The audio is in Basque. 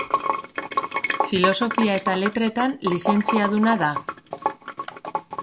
Filosofia eta Letretan lizentziaduna da.